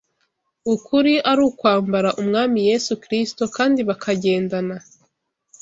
ukuri ari ukwambara Umwami Yesu Kristo kandi bakagendana